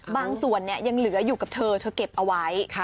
บางส่วนยังเหลืออยู่กับเธอเธอเก็บเอาไว้